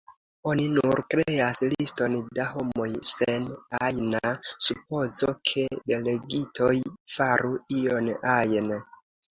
Oni nur kreas liston da homoj sen ajna supozo, ke delegitoj faru ion ajn.